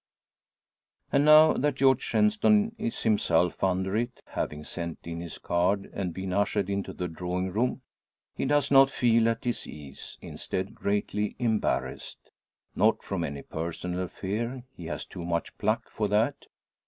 And now that George Shenstone is himself under it, having sent in his card, and been ushered into the drawing room, he does not feel at his ease; instead greatly embarrassed. Not from any personal fear; he has too much "pluck" for that.